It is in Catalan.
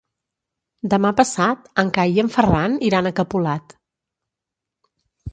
Demà passat en Cai i en Ferran iran a Capolat.